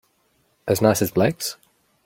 As nice as Blake's?